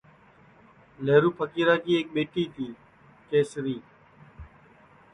لیہرو پھکیرا کی ایکی ٻیٹی تی کیسری